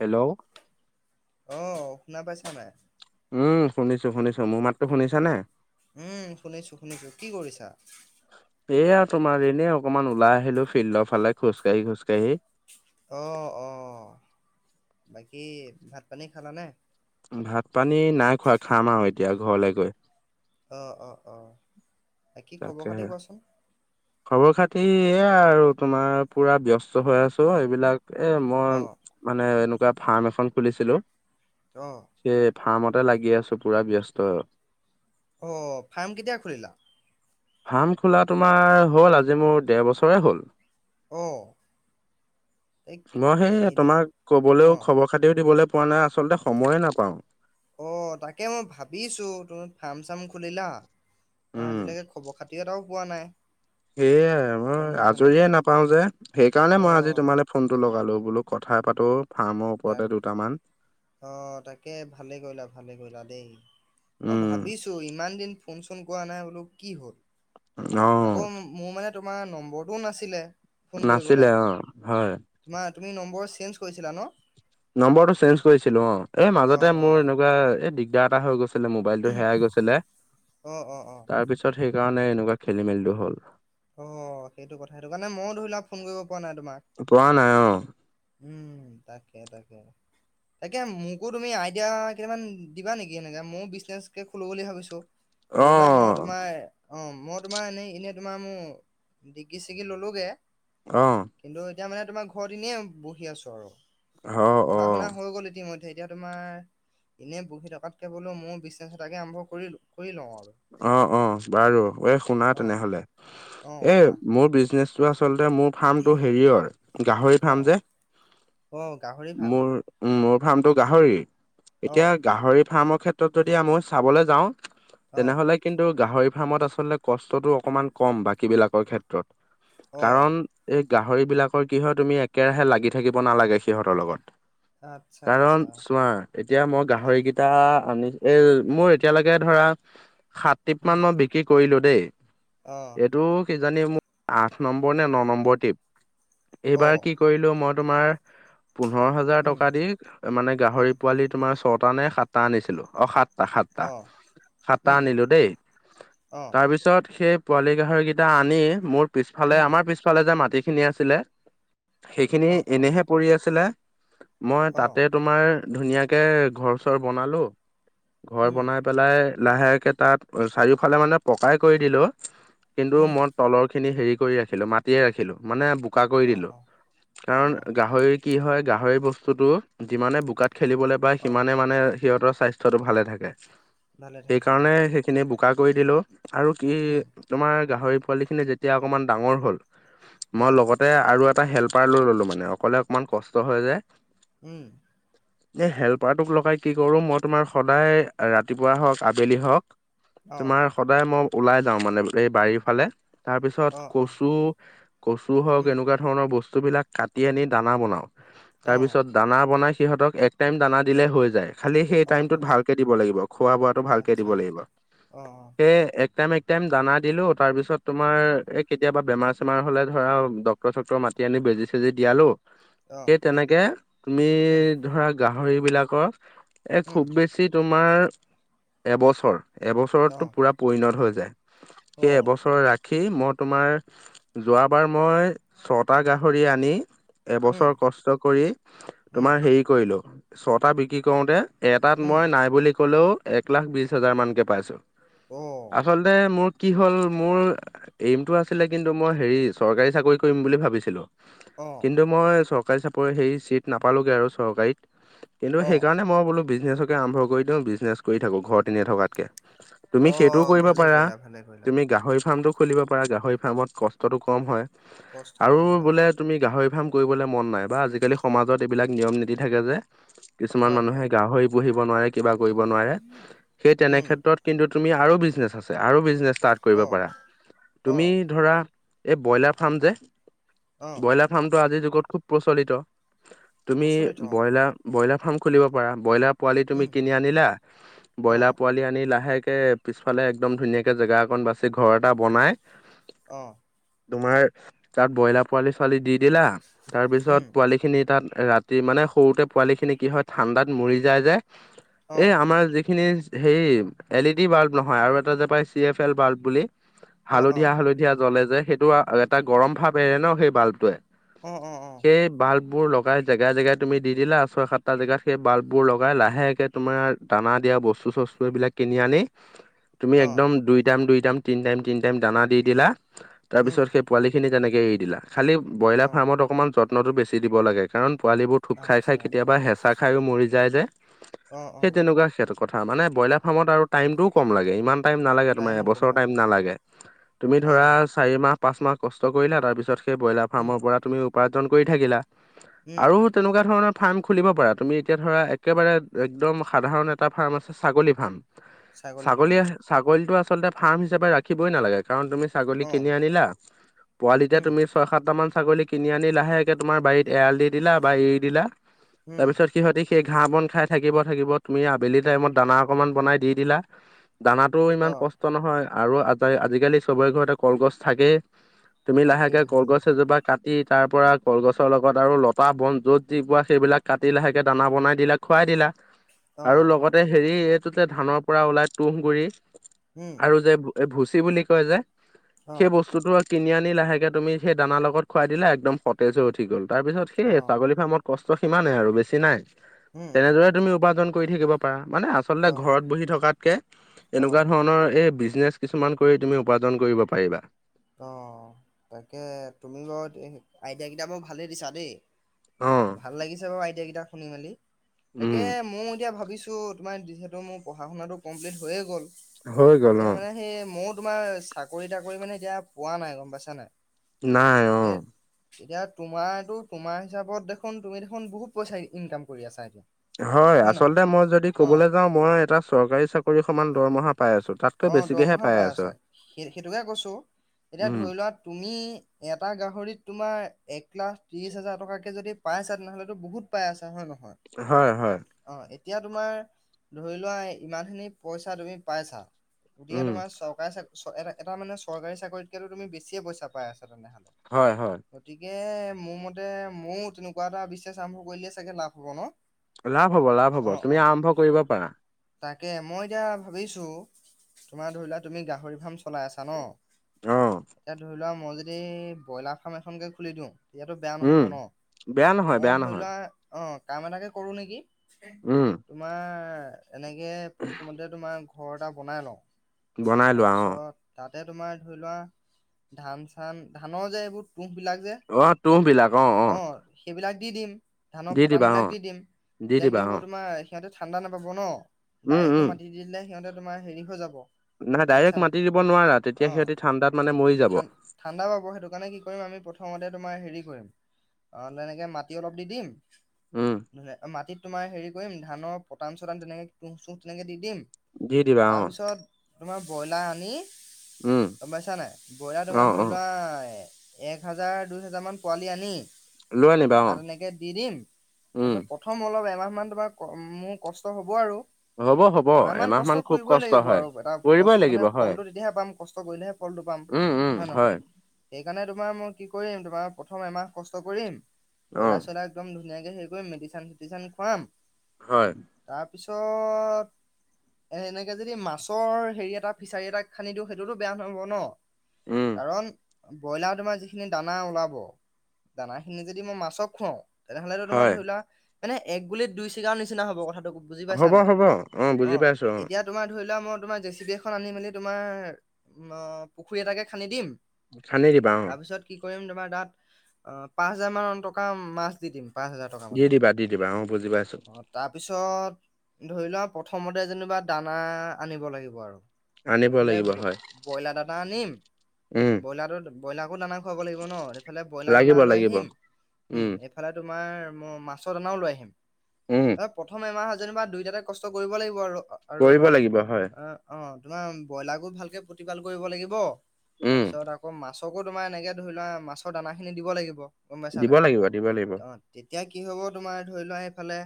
Hello. অ', শুনা পাইছা নাই? উম, শুনিছো শুনিছো। মোৰ মাততো শুনিছানে? উম, শুনিছো শুনিছো। কি কৰিছা? এয়া তোমাৰ, এনে অকমান ওলাই আহিলো ফিল্ডৰ ফালে খোজ কাঢ়ি খোজ কাঢ়ি। অ', অ', বাকী ভাত পানী খালানে? ভাত পানী নাই খোৱা, খাম আৰু এতিয়া ঘৰলে গৈ। অ', অ', অ', বাকি খবৰ তাকেহে। খাতি কোৱাচোন? খবৰ খাতি এ আৰু তোমাৰ পুৰা ব্যস্ত হৈ আছো, এইবিলাক এ মই অহ মানে এনেকুৱা, ফাৰ্ম এখন খুলিছিলো। অ'। সে ফাৰ্মতে লাগি আছো পুৰা ব্যস্ত। অ', ফাৰ্ম কেতিয়া খুলিলা? ফাৰ্ম খোলা তোমাৰ হ'ল আজি মোৰ, দেৰ বছৰে হ'ল। অহ এই ম সেই এদিন তোমাক অহ কবলৈও খবৰ খাতিও দিবলৈ পোৱা নাই, আচলতে সময়ে নাপাওঁ। অ', তাকে মই ভাবিছো, তুমি ফাৰ্ম চাৰ্ম খুলিলা উম। আজিলৈকে খবৰ খাতি এটাও পোৱা নাই। এইয়াই গম মই পাইছা নাই? আজৰিয়ে নাপাও যে, সেইকাৰণে মই আজি অহ তোমালে ফোনটো লগালো, বোলো কথা পাতো ফাৰ্মৰ ওপৰতে দুটামান। অ', তাকে ভালে কৰিলা ভালে, কৰিলা দেই অ' উম ভাবিছ ইমান দিন ফোন চোন কৰা নাই বোলো কি হ'ল, অ আকৌ মোৰ মানে তোমাৰ নম্বৰটোও নাছিলে। ফোন কৰিবলে নাছিলে, অ', হয়। তোমাৰ তুমি নম্বৰ চেঞ্জ কৰিছিলা নহ? নম্বৰটো চেঞ্জ কৰিছিলো অ' এ অ মাজতে অ মোৰ এনেকুৱা এ দিগদাৰ এটা হৈ গৈছ মোবাইলটো হেৰাই গৈছিলে, অ অ অ তাৰ পিছত সেইকাৰণে এনেকুৱা খেলি মেলিটো হ'ল। অ', সেইটো কথা, সেইটো কাৰণে মইও ধৰি লওক ফোন কৰিব পৰা নাই তোমাক। পোৱা নাই অ উম, তাকে তাকে। [inaudible] তাকে মোকো তুমি আইডিয়া কেইটামান দিবা নেকি এনেকে, মইও বিজনেছকে খোলো বুলি ভাবিছো। অ ধৰি লোৱা মই তোমাৰ, অ' মই তোমাৰ এনেই এনে তোমাৰ মোৰ ডিগি চিগি ললোগে। অ'। কিন্তু এতিয়া মানে তোমাৰ ঘৰত এনেই বহি আছো আৰু, অ অ পঢ়া শুনা হৈ গ'ল ইতিমধ এতিয়া তোমাৰ, এনেই বহি থকাতকে বোলো মইও বিচনেছ এটাকে আৰম্ভ কৰি কৰি লওঁ আৰু। অ', অ', বাৰু এ শুনা অ তেনেহ'লে, অ এ কোৱা মোৰ বিজনেচ আচলতে মোৰ ফাৰ্মটো হেৰিয়ৰ গাহৰি অ ফাৰ্ম যে, অ গাহৰি ফাৰ্ম মোৰ উম, মোৰ ফাৰ্মটো গাহৰি। অ এতিয়া গাহৰি ফাৰ্মৰ ক্ষেত্ৰত যদি মই চাবলৈ যাওঁ অ তেনেহ'লে কিন্তু গাহৰি ফাৰ্মত আচলতে কষ্টটো অকণমান কম, বাকী বিলাকৰ ক্ষেত্ৰ ত্ৰত অ কাৰণ এই গাহৰি বিলাকৰ কি হয়, তুমি একেৰাহে লাগি থাকিব নালাগে সিহঁতৰ লগত। আচ্ছা কাৰণ আচ্ছা চোৱা, এতিয়া মই অ গাহৰিকেই [unintelligible] মোৰ এতিয়ালৈকে ধৰা সাতটিপ উম মান মই বিক্ৰী কৰিলো দেই। অ'। এইটো কিজানি মোৰ আঠ নম্বৰ নে, ন নম্বৰ টিপ অ এইবাৰ কি মই তোমাৰ পোন্ধৰ হাজাৰ উম টকা দি, মানে উম গাহৰি পোৱালী তোমাৰ ছটা নে, সাতটা আনিছিলো অ' সাতটা সাতটা। অ সাতটা উম উম আনিলো দেই, অ তাৰপিছত সেই পোৱালি গাহৰিকেইটা আনি মোৰ পিছফালে, উম আমাৰ পিছফালে যে, মাটি খিনি আছিলে, সেইখিনি অ অ এনেহে পৰি আছিলে, মই অ তাতে তোমাৰ, ধুনীয়াকে ঘৰ-চৰ বনালোঁ। ঘৰ উম বনাই পেলাই লাহেকে তাত, চাৰিওফালে মানে, পকাই কৰি দিলোঁ। কিন্তু, উম মই তলৰ খিনি, হেৰি কৰি ৰাখিলোঁ, মাটিয়ে ৰাখিলোঁ। মানে চোকা কৰি অ দিলোঁ। অ অ কাৰণ, অ গাহৰি কি হয়, গাহৰি বস্তুতটো, যিমানে বোকাত খেলিবলৈ পায়, অ সিমানে মানে, সিহঁতৰ স্বাস্থ্য স্বাস্থ্যটো ভালে থাকে। ভালে থাকে অ সেইকাৰণে, সেইখিনি বোকা কৰি দিলোঁ, আৰু কি উম তোমাৰ, গাহৰি পোৱালি খিনি যেতিয়া, অকমান ডাঙৰ হ'ল, মই হয় হয় লগতে আৰু এটা হেল্পাৰ লৈ ল'লো মানে, অকলে অকমান কষ্ট হয়, যে। উম! এ, হেল্পাৰটোক লগাই কি কৰোঁ, মই তোমাৰ সদায়, ৰাতিপুৱা হওঁক, আবেলি হওঁক অ তোমাৰ সদায় মই, ওলাই যাওঁ মানে, এই বাৰীৰ ফালে। তাৰ পিছত, অ অ কচু-কচু হওঁক, উম এনেকুৱা এনেকুৱা ধৰণৰ বস্তু বিলাক, কাটি আনি দানা বনাওঁ। তাৰ অ পিছত, দানা বনাই সিহঁতক, এক টাইম দানা দিলেই হৈ যায়। খালি সেই অ অ টাইমটোত, ভালকৈ দিব লাগিব, খোৱা-বোৱাটো। ত' ভালকে আচ্ছা, দিব লাগিব। আচ্ছা। অ', অ', এ, এক টাইম-এক টাইম দানা দিলোঁ। তাৰ পিছত, তোমাৰ উম, কেতিয়াবা, বেমাৰ-চেমাৰ হ'লে ধৰা, ডাক্তৰ-চক্তৰ মাতি আনি, বেজি-চেজি দিয়ালোঁ। অ', সেই তেনেকে, তুমি উম, ধৰা, গাহৰি বিলাকৰ এ, উম, খুউব বেছি বেছি তোমাৰ এবছৰ, এবছৰতটো অ', পূৰা পৰিণত হৈ যায়। সেই, অ', এবছৰৰ ৰাখি ৰাখি, মই তোমাৰ, যোৱাবাৰ মই ছয়টা গাহৰি আনি এবছৰ উম, কষ্ট কৰি, উম, তোমাৰ হেৰি কৰিলোঁ, ছয়টা বিক্ৰী কৰোঁতে, এটাত উম, মই, নাই বুলি ক'লেও, এক লাখ বিশ হাজাৰ মানকে, পাইছোঁ। আচলতে, অ', আচলতে, মোৰ কি হ'ল, মোৰ এইমটো আছিলে কিন্তু, মোৰ হেৰি, চৰকাৰী চাকৰি কৰিম বুলি ভাবিছিলোঁ। অ', কিন্তু মই, চৰকাৰী চাকৰী সেই, চিট নাপালোঁগৈ আৰু চৰকাৰীত। কিন্তু, অ', সেইকাৰণে মই বোলোঁ, বিজনেছকে আৰম্ভ কৰি দিওঁ, বিজনেছ কৰি থাকোঁ, ঘৰ এনে থকাতকে। তুমি সেইটোও অ', কৰিব ভালেই পাৰা? কৰিলা, ভালেই কৰিলা। তুমি গাহৰি ফাৰ্মটো খুলিব পাৰা, গাহৰি ফাৰ্মত কষ্টটো কম হয়। কষ্ট আৰু কম হয়, অ। বোলে- তুমি গাহৰি ফাৰ্ম কৰিবলৈ মন নাই বা আজিকালি সমাজত এইবিলাক, নিয়ম-নীতি থাকে যে, কিছুমান হয়, মানুহে, হয়, গাহৰি পুহিব নোৱাৰে, কিবা কৰিব নোৱাৰে। উম, তেনেক্ষেত্ৰত কিন্তু, তুমি আৰু বিজনেছ আছে, আৰু বিজনেছ ষ্টাট কৰিব অ', পাৰা। তুমি অ', ধৰা, এই ব্ৰইলাৰ ফাৰ্ম ‌যে, অ', ব্ৰইলাৰ ফাৰ্মটো আজিৰ যুগত, খুব প্ৰচলিত। তুমি, প্ৰচলিত অ', ব্ৰইলাৰ ব্ৰইলাৰ ফাৰ্ম খুলিব পাৰা, ব্ৰইলাৰ পোৱালি তুমি উম, কিনি আনিলা, ব্ৰইলাৰ অ', পোৱালি আনি, লাহেকে পিছফালে, একদম ধুনীয়াকে জেগা অকন বাচি, ঘৰ এটা বনাই। অ'! তোমাৰ, তাত ব্ৰইলাৰ পোৱালি-চোৱালি দি দিলা। তাৰ উম, পিছত, পোৱালি খিনি তাত, ৰাতি মানে, সৰুতে পোৱালি খিনি কি হয়, ঠাণ্ডাত মৰি যায়, যে! এই, অ', আমাৰ যিখিনি হেৰি, এল ই ডি বাল্ব নহয়, আৰু এটা যে পায়, চি এফ এল বাল্ব বুলি। অ', অ', হালধীয়া-হালধীয়া জ্বলে যে, সেইটো এটা গৰম ভাপ এৰে ন'সেই বাল্বটোৱে। অ' অ' অ'! সেই বাল্ববোৰ লগাই, জেগাই-জেগাই তুমি, দি দিলা। ছয়-সাতটা জেগাত, সেই বাল্ববোৰ লগাই, লাহেকে তোমাৰ, দানা দিয়া বস্তু-চস্তু, এইবিলাক কিনি আনি, তুমি অ', একদম, দুই টাইম-দুই টাইম, তিনি টাইম-তিনি টাইম দানা দি দিলা। উম, তাৰপিছত, সেই পোৱালিখিনি, তেনেকে এৰি দিলা। খালী, ব্ৰইলাৰ অ', ফাৰ্মত অকণমান, যত্নটো বেছি দিব লাগে। কাৰণ, পোৱালিবোৰ থোপ খাই-খাই আচ্ছা, কেতিয়াবা, হেঁচা খাইয়ো, মৰি যায় যে। অ', সেই, অ', তেনেকুৱা [unintelligible] কথা। মানে, ব্ৰইলাৰ ফাৰ্মত আৰু টাইমটোও কম লাগে। ইমান টাইম নালাগে তোমাৰ, টাইমো কম এবছৰ টাইম লাগে, নালাগে। অ', চাৰি মাহ পাঁচ মাহ কষ্ট কৰিলা তাৰপিছত সেই ব্ৰইলাৰ উম, ফাৰ্মৰ পৰা তুমি উপাৰ্জন কৰি থাকিলা। উম, আৰু তেনেকুৱা ধৰণৰ ফাৰ্ম খুলিব পাৰা তুমি এতিয়া ধৰা একেবাৰে একদম সাধাৰণ এটা ফাৰ্ম আছে ছাগলী ফাৰ্ম ছাগলী ছাগলীতটো আচলতে ফাৰ্ম হিচাপে ৰাখিবই নালাগে কাৰণ তুমি ছাগলী অ', কিনি আনিলা পোৱালিতে উম, তুমি ছয় সাতটা মান ছাগলী কিনি আনি লাহেকে তোমাৰ বাৰীত এৰাল দি দিলা বা এৰি দিলা উম। তাৰপিছত সিহঁতি সেই ঘাঁহ বন খাই থাকিব, থাকিব তুমি আবেলি টাইমত দানা অকণমান বনাই দি দিলা দানাত টো ইমান অ'। কষ্ট নহয় আৰু আজাই আজিকালি চবৰে ঘৰতে কলগছ থাকেই। তুমি থাকেই লাহেকে থাকেই কলগছ হয়। এজোপা কাটি তাৰ পৰা কলগছৰ লগত আৰু লতা বন য'ত যি কোৱা সেইবিলাক কাটি লাহেকে দানা বনাই দিলাক খুৱাই দিলা। আৰু অ', লগতে হেৰি এইটো যে ধানৰ পৰা ওলাই তুঁহ গুৰি উম, আৰু যে এই ভুচি বুলি কয় যে সেই অ', বস্তুটো কিনি আনি লাহেকে তুমি সেই দানা লগত খুৱাই দিলা একদম সতেজ হৈ উঠি গল তাৰপিছত সেইয় অ', ছাগলী ফাৰ্মত কষ্ট সিমানেই আৰু বেছি নাই উম, উম, তেনেদৰে তুমি উপাৰ্জন কৰি থাকিব পাৰা মানে আৰু আচলতে অ', ঘৰত বহি থকাতকে অ', এনেকুৱা ধৰণৰ এই বিজনেছ কিছুমান কৰি তুমি উপাৰ্জন কৰিব পাৰিবা। অ', তাকে তুমি বৰ আইডিয়া কেইটা মোৰ ভালেই দিছা দেই অ ভাল লাগিছে বাৰু আইডিয়া কেইটা শুনি মেলি তাকে উম ময়ো এতিয়া ভাবিছোঁ তোমাৰ যিহেতু মোৰ পঢ়া শুনাটো কমপ্লিট হৈয়ে গ'ল হৈ গ'ল এতিয়া অ মানে সেই মইও তোমাৰ চাকৰি তাকৰি মানে এতিয়া পোৱা নাই গ'ম পাইছ নাই নাই অ তাকে এতিয়া তোমাৰো তোমাৰ হিচাপত দেখোন তুমি দেখোন বহুত পইচা ইনকাম কৰি আছা এতিয়া হয় আচলতে মই যদি অ'। ক'বলৈ যাওঁ মই এটা চৰকাৰী চাকৰি সমান দৰমহা পাই আছোঁ তাত অ', দৰমহা পাই আছা সেই সেইটোকে কৈছো এতিয়া উম ধৰি লোৱা তুমি এটা গাহৰিত তোমাৰ এক লাখ ত্ৰিশ হাজাৰ টকাকে যদি পাইছা তেনেহ'লেতো বহুত পাই আছা হয় নহয়। হয়, হয়। অ', এতিয়া তোমাৰ ধৰি লোৱা ইমানখিনি পইচা তুমি পাইছা গতিকে উম তোমাৰ চৰকাৰ চাকৰি এটা মানে চৰকাৰী চাকৰিতকেতো তুমি বেছিয়ে পইচা পাই আছা তেনেহ'লে হয়, হয়। গতিকে মোৰ মতে ময়ো তেনেকুৱা এটা বিজনেচ আৰম্ভ কৰিলে চাগে লাভ হ'ব ন। লাভ হ'ব লাভ হ'ব অ অ তুমি আৰম্ভ কৰিব পাৰা। তাকে মই এতিয়া ভাবিছোঁ তোমাৰ ধৰিলোৱা তুমি গাহৰি ফাৰ্ম চলাই আছা ন। অ এতিয়া ধৰি লোৱা মই যদি ব্ৰইলাৰ ফাৰ্ম এখনকে খুলি দিওঁ। এয়াতো বেয়া উম নহ'ব ন বেয়া নহয় মই বেয়া ধৰি নহয় লোৱা অ', কাম এটাকে কৰোঁ নেকি। উম। তোমাৰ এনেকৈ প্ৰথমতে তোমাৰ ঘৰ এটা বনাই লওঁ। বনাই লোৱা অ তাৰপিছত তাতে তোমাৰ ধৰি লোৱা ধান চান ধানৰ যে এইবোৰ পুহবিলাক যে অ', তুহ বিলাক অ', অ'। সেইবিলাক দি দিম ধানৰ দি পতান দিবা অ বিলাক দি দিম দি তেতিয়া কি দিবা হ'ব অ তোমাৰ সিহঁতে ঠাণ্ডা নাপাব ন উম, ডাইৰেক্টো উম, মাটি দি দিলে সিহঁতে তোমাৰ হেৰি হৈ যাব। নাই গম পাইছা ডাইৰেক্ট মাতি দিব নোৱাৰা তেতিয়া অ' সিহঁতি ঠাণ্ডাত মানে মৰি যাব। ঠান ঠাণ্ডা পাব সেইটো কাৰণে কি কৰিম আমি প্ৰথমতে তোমাৰ হেৰি কৰিম তেনেকৈ মাটি অলপ দি দিম। উম, মাটিত তোমাৰ হেৰি কৰিম ধানৰ পটান চটান তেনেকে তুহ চুহ তেনেকে দি দিম। দি দিবা অ', তাৰপিছত তোমাৰ ব্ৰইলাৰ আনি উম, গ'মপাইছা নাই ব্ৰইলাৰ তোমাৰ অ', ধৰি অ', লোৱা এক হাজাৰ দুই হাজাৰমান পোৱালি আনি লৈ আনিবা অ', তাত এনেকৈ দি দিম উম, তাৰপিছত প্ৰথম অলপ এমাহ মান তোমাৰ মোৰ কষ্ট হ'ব আৰু। হ'ব হ'ব এমাহ মান খুব কব কষ্ট লাগিব হয়। আৰু এটা কৰিবই কষ্ট মান লাগিব হয়, ফলটো তেতিয়াহে পাম কষ্ট কৰিলেহে ফলটো পাম উম, উম, হয়ে নহয়। হয়, সেইকাৰণে তোমাৰ মই কি কৰিম তোমাৰ প্ৰথম এমাহ কষ্ট কৰিম অ', ব্ৰইলাৰ চইলাৰ একদম ধুনীয়াকে হেৰি কৰিম মেডিচিন চেডিচিন খুৱাম হয়, তাৰপিছত এ এনেকে যদি মাছৰ হেৰি এটা ফিচাৰী এটা খান্দি দিওঁ সেইটোতো বেয়া নহব ন'? উম, কাৰণ ব্ৰইলাৰ তোমাৰ যিখিনি দানা ওলাব দানাখিনি যদি মই মাছক খুৱাওঁ তেনেহলেতো তোমাৰ হয়, ধৰি লোৱা মানে এক গুলিত দুই ছিগাৰ নিচিনা হব কথাটো বুজি পাইছা হ'ব - নাই হ'ব, অ', বুজি পাইছো অ', এতিয়া তোমাৰ ধৰি লোৱা মই তোমাৰ জেচি বি এখন আনি মেলি তোমাৰ অ, পুখুৰী এটাকে খান্দি দিম। খান্দি দিবা অ', তাৰপিছত কি কৰিম তোমাৰ তাত অ, পাঁচ হাজাৰ মান টকা মাছ দি দিম পাঁচ হাজাৰ টকা দি মানৰ দিবা, দি দিবা অ, বুজি পাইছো। অ তাৰপিছত ধৰি লোৱা প্ৰথমতে যেনিবা দানা আনিব লাগিব আৰু আনিব এইফালে লাগিব হয়, ব্ৰইলাৰ এটা আনিম, উম, ব্ৰইলাৰটো ব্ৰইলাৰকো দানা খাৱাব লাগিব ন' এইফালে ব্ৰইলাৰ দানা লাগিব, লৈ লাগিব, আহিম, উম, ইফালে তোমাৰ মই মাছৰ দানাও লৈ আহিম উম, অ, প্ৰথম এমাহ যেনিবা দুইটাতে কষ্ট কৰিব লাগিব আৰু আৰু কৰিব অলপ লাগিব হয়, অ', তোমাৰ ব্ৰইলাৰ গোৰ ভালকে প্ৰতিপাল কৰিব লাগিব, উম, তাৰপিছত আকৌ মাছ চকু তোমাৰ এনেকৈ ধৰি লোৱা মাছৰ দানাখিনি দিব লাগিব গম পাইছা দিব নাই? লাগিব, দিব লাগিব তেতিয়া কি হব তোমাৰ ধৰি লোৱা এইফালে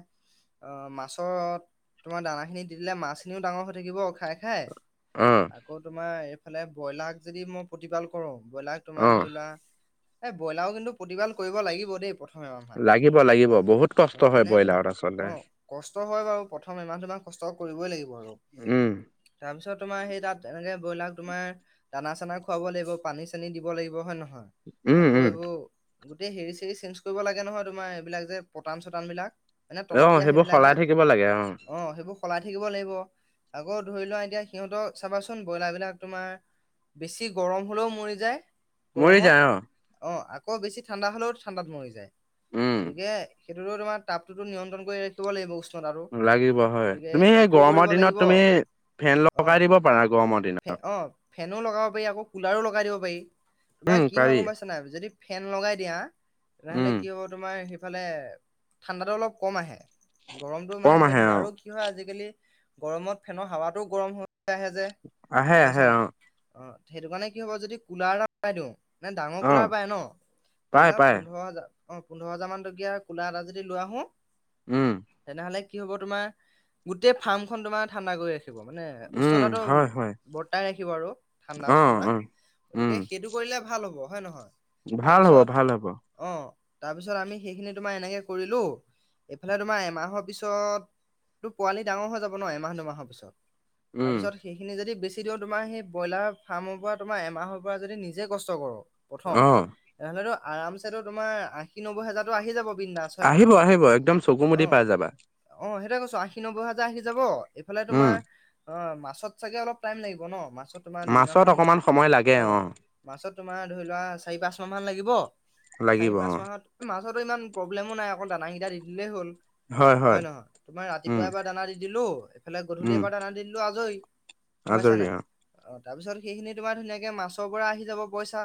অ', মাছত তোমাৰ দানাখিনি দি দিলে মাছ খিনিও ডাঙৰ হৈ থাকিব খাই খাই অ', আকৌ তোমাৰ এইফালে ব্ৰইলাৰ যদি মই প্ৰতিপাল কৰোঁ, ব্ৰইলাৰ তোমাৰ অ'। ধৰি লোৱা, এই ব্ৰইলাৰো কিন্তু প্ৰতিবাল কৰিব লাগিব দেই প্ৰম লাগিব লাগিব বহুত কষ্ট হয় মানে তোমাৰ ব্ৰইলাৰত আচলতে অ কষ্ট হয় বাৰু প্ৰথম এমাহ দুমাহ কষ্ট কৰিবই লাগিবই আৰু। উম তাৰপিছত তোমাৰ সেই তাত এনেকে ব্ৰইলাৰ তোমাৰ দানা চানা খুৱাব লাগিব পানী চানী দিব লাগিব হয় নহয়, উম আকৌ উম এইবোৰ গোটেই হেৰি চেৰি চেঞ্জ কৰিব লাগে নহয় তোমাৰ এইবিলাক যে পতান চটান বিলাক এনে অ তলত দিয়া সেইবোৰ সেইবিলাক সলাই যে থাকিব লাগে অ', সেইবোৰ সলাই থাকিব লাগিব। আকৌ ধৰি লোৱা এতিয়া সিহঁতক চাবাচোন ব্ৰইলাৰ বিলাক তোমাৰ বেছি গৰম হলেও মৰি যায় মৰি গৰমত যায় অ অ', আকৌ বেছি ঠাণ্ডা হ'লেও ঠাণ্ডাত মৰি যায় উম গতিকে সেইটোতো তোমাৰ টাপটোতো নিয়ন্ত্ৰণ কৰি ৰাখিব লাগিব উষ্ণত আৰু লাগিব হয় গতিকে তুমি সেই সেইটো গৰমৰ দিনত তুমি ফেন লগাই দিব পাৰা গৰমৰ দিনত ফে অ', ফেনো লগাব পাৰি আকৌ কুলাৰো লগাই দিব পাৰি। উম তোমাৰ কি হয় পাৰি গম পাইছা নাই যদি ফেন লগাই দিয়া তেনেহলে উম কি হ'ব তোমাৰ সেইফালে ঠাণ্ডাটো অলপ কম আহে গৰমটো মানে কম হৈ আহে থাকে অ আৰু কি হয় আজিকালি গৰমত ফেনৰ হাৱাটো গৰম হৈ আহে যে, আহে গম আহে গাইছা অ নাই? অ', সেইটো কাৰণে কি হব যদি কুলাৰ এটা লগাই দিওঁ। মানে ডাঙৰ অ কুলাৰ পায় ন' পাই ধৰি লোৱাক পাই পোন্ধৰ হাজাৰ অ', পোন্ধৰ হাজাৰ মান টকীয়া কুলাৰ এটা যদি লই আহোঁ উম, তেনেহলে কি হব তোমাৰ গোটেই ফাৰ্ম খন তোমাৰ ঠাণ্ডা কৰি ৰাখে থাকিব মানে উম উচ্চতাটো হয় হয় বৰ্তাই ৰাখিব আৰু ঠাণ্ডা অ চন্দা অ উম গতিকে সেইটো কৰিলে ভাল হ'ব হয় নহয়? ভাল হ'ব তাৰপিছত ভাল হ'ব অ', তাৰপিছত আমি সেইখিনি তোমাৰ এনেকে কৰিলো এইফালে তোমাৰ এমাহৰ পিছত তোৰ পোৱালি ডাঙৰ হৈ যাব ন' এমাহ দুমাহৰ পিছত তাৰ উম পিছত সেইখিনি যদি বেছি দিওঁ তোমাৰ সেই ব্ৰইলাৰ ফাৰ্মৰ পৰা তোমাৰ এমাহৰ পৰা যদি নিজে কষ্ট কৰো প্ৰথম। অ তেনেহ'লেতো আৰামছেতো তোমাৰ আশী নব্বৈ হেজাৰটো আহি যাব। বিন্দাছ হয় আহিব নহয় আহিব একদম চকু অ মুদি পাই যাবা। অ', সেইটোয়ে কৈছো আশী নব্বৈ হাজাৰ আহি যাব। এইফালে উম তোমাৰ অ', মাছত চাগে অলপ টাইম লাগিব ন মাছত তোমাৰ দুইমাহ মাছত অকমান সময় লাগে অ'। মাছত তোমাৰ ধৰি লোৱা চাৰি পাঁচ মাহ মান লাগিব। চাৰি লাগিব অ পাঁচ মাহত মাছতো ইমান প্ৰব্লেমো নাই অকল দানা কিটা দি থাকিলেই হ'ল, হয় নহয়? তোমাৰ উম ৰাতিপুৱাৰ এবাৰ দানা দি দিলো এইফালে গধূলি উম, এবাৰ দানা দি দিলো আজৰি গম পাইছা নে আজৰি নাই। অ, অ', তাৰপিছত সেইখিনি তোমাৰ ধুনীয়াকে মাছৰ পৰা আহি যাব পইচা।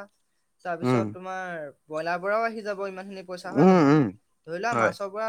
তাৰপিছত উম। তোমাৰ ব্ৰইলাৰ পৰা আহি যাব ইমানখিনি পইচা হয় উম, নহয়! উম। ধৰি লোৱা হয়। মাছৰ পৰা